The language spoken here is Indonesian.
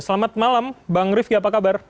selamat malam bang rifki apa kabar